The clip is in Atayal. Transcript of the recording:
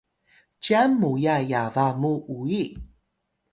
cyan muya yaba mu uyi